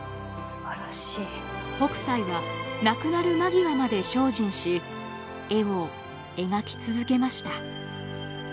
北斎は亡くなる間際まで精進し絵を描き続けました。